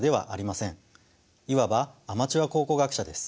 いわばアマチュア考古学者です。